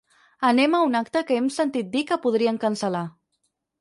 Anem a un acte que hem sentit dir que podrien cancel·lar.